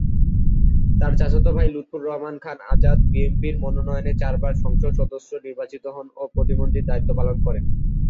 তার চাচাত ভাই লুৎফর রহমান খান আজাদ বিএনপির মনোনয়নে চারবার সংসদ সদস্য নির্বাচিত হন ও প্রতিমন্ত্রীর দায়িত্ব পালন করেন।